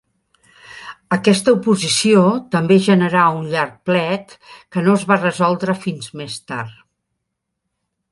Aquesta oposició també generà un llarg plet que no es va resoldre fins més tard.